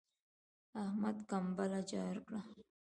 احمد کمبله جار کړه.